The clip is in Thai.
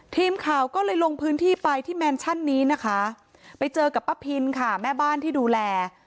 ทีมข่าวก็เลยลงพื้นที่ไปที่แมนชั่นนี้นะคะไปเจอกับป้าพินค่ะแม่บ้านที่ดูแล